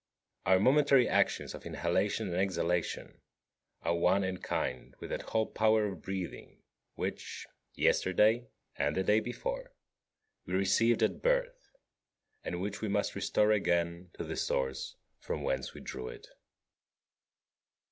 Our momentary actions of inhalation and exhalation are one in kind with that whole power of breathing which, yesterday or the day before, we received at birth, and which we must restore again to the source from whence we drew it.